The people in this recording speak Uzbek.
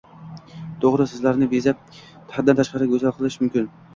To‘g‘ri, so‘zlarni bezab, haddan tashqari go‘zal qilish mumkin